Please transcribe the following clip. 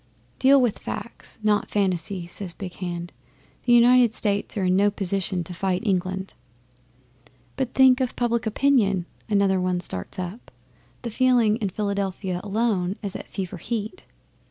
'"Deal with facts, not fancies," says Big Hand. "The United States are in no position to fight England." '"But think of public opinion," another one starts up. "The feeling in Philadelphia alone is at fever heat."